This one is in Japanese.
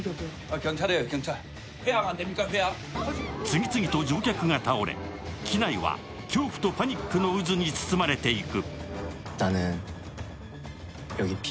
次々と乗客が倒れ、機内は恐怖とパニックの渦に包まれていく。